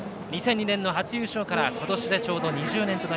２００２年の初優勝から今年でちょうど２０年。